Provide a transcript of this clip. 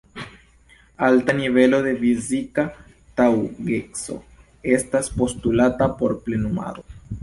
Alta nivelo de fizika taŭgeco estas postulata por plenumado.